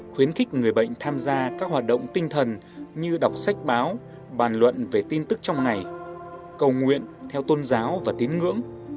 khuyến khích người bệnh tham gia các hoạt động tinh thần như đọc sách báo bàn luận về tin tức trong ngày cầu nguyện theo tôn giáo và tín ngưỡng